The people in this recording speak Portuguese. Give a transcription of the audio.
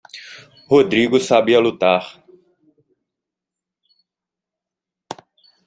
Rodrigo sabia lutar.